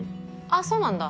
あそうなんだ。